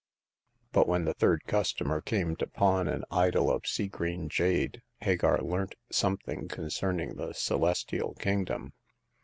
But when the third customer came to pawn an idol of sea green jade Hagar learnt something concerning the Celestial Kingdom.